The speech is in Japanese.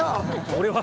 俺は。